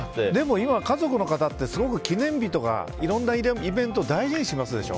今は家族の方ってすごく記念日とかいろんなイベント大事にしますでしょ。